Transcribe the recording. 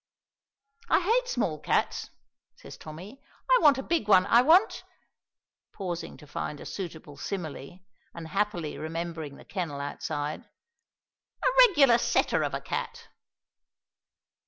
"I hate small cats," says Tommy. "I want a big one! I want " pausing to find a suitable simile, and happily remembering the kennel outside "a regular setter of a cat!"